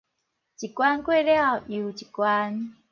一關過了又一關